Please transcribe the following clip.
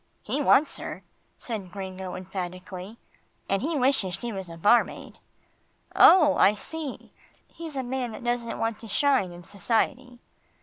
"He wants her," said Gringo emphatically, "and he wishes she was a barmaid." "Oh! I see he's a man that doesn't want to shine in society."